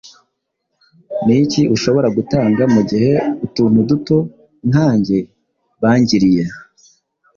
ni iki ushobora gutanga mugihe utuntu duto nkanjye bangiriye?